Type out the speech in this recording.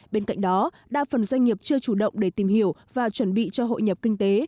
bên cạnh đó đa phần doanh nghiệp chưa chủ động để tìm hiểu và chuẩn bị cho hội nhập kinh tế